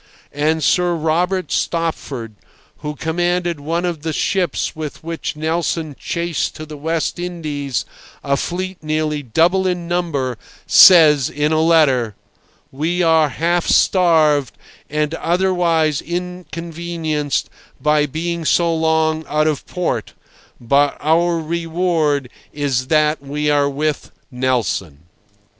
And Sir Robert Stopford, who commanded one of the ships with which Nelson chased to the West Indies a fleet nearly double in number, says in a letter: "We are half starved and otherwise inconvenienced by being so long out of port, but our reward is that we are with Nelson."